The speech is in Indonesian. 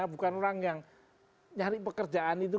bukan orang yang nyari pekerjaan itu